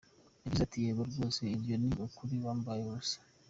Yagize ati "Yego rwose, ibyo ni ukuri kwambaye ubusa.